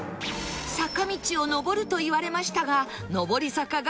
坂道を上ると言われましたが